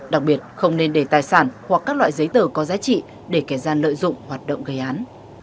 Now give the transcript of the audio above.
đặc biệt không nên để tài sản hoặc các loại giấy tờ có giá trị để kẻ gian lợi dụng hoạt động gây án